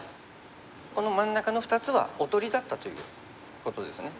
この真ん中の２つはおとりだったということですね。